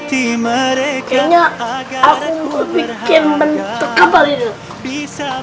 kayaknya aku mau bikin bentuk kapal gitu